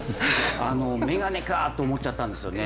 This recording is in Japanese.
メガネかと思っちゃったんですよね。